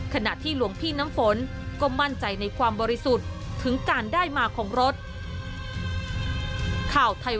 ขณะที่หลวงพี่น้ำฝนก็มั่นใจในความบริสุทธิ์ถึงการได้มาของรถ